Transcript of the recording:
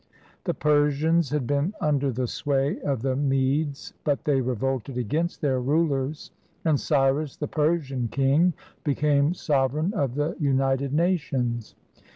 The Persians had been under the sway of the Medes, but they revolted against their rulers, and Cyrus, the Persian king, became sover eign of the united nations.